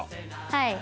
はい。